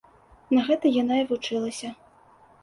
На гэта яна і вучылася.